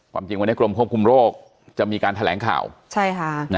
จริงวันนี้กรมควบคุมโรคจะมีการแถลงข่าวใช่ค่ะ